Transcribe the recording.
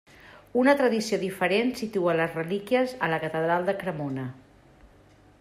Una tradició diferent situa les relíquies a la Catedral de Cremona.